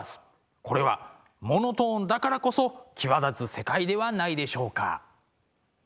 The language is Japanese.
これはモノトーンだからこそ際立つ世界ではないでしょうか。